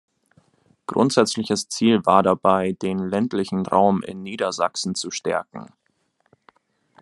Grundsätzliches Ziel war dabei, den ländlichen Raum in Niedersachsen zu stärken.